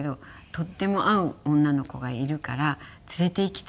「とっても合う女の子がいるから連れて行きたい」って言って。